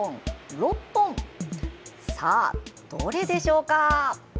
さあ、どれでしょうか？